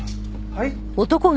はい？